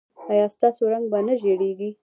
ایا ستاسو رنګ به نه زیړیږي؟